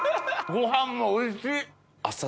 ご飯もおいしい！